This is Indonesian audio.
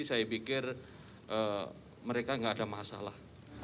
saya pikir mereka tidak ada masalah